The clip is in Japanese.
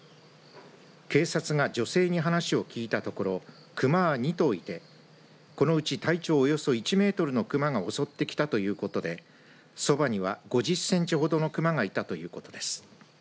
警察が女性に話を聞いたところ熊は２頭いて、このうち体長およそ１メートルの熊が襲ってきたということでそばには５０センチほどの熊がいたということです。